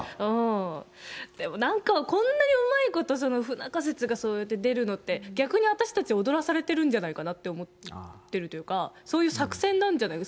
でもなんか、こんなにうまいこと不仲説がそうやって出るのって、逆に私たち、踊らされてるんじゃないかなって思ってるというか、そういう作戦なんじゃないか。